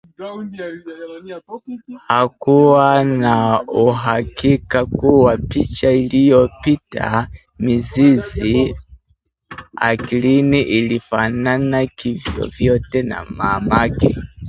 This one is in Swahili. hakuwa na uhakika kuwa picha iliyokita mizizi akilini ilifanana kivyovyote na mamake